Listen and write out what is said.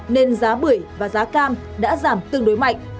nên giá bưởi và giá cam đã giảm tương đối mạnh